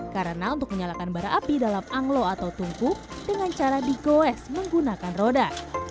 karena untuk menyalakan barang api dalam anglo atau tungku dengan cara digoes menggunakan roda